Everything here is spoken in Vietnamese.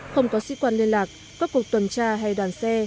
không có sĩ quan liên lạc các cuộc tuần tra hay đoàn xe